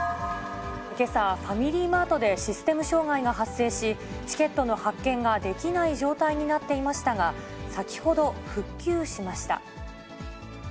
けさ、ファミリーマートでシステム障害が発生し、チケットの発券ができない状態になっていましたが、先ほど、復旧しました。